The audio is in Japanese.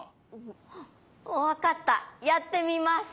わかったやってみます！